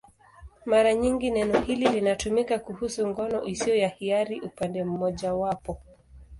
Mara nyingi neno hili linatumika kuhusu ngono isiyo ya hiari upande mmojawapo.